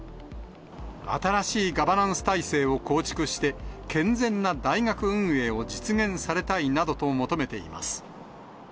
新しいガバナンス体制を構築して、健全な大学運営を実現されたいなどと求めています。